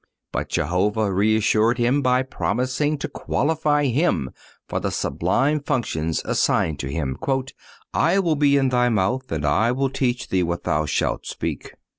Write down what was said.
But Jehovah reassured him by promising to qualify him for the sublime functions assigned to him: "I will be in thy mouth, and I will teach thee what thou shalt speak."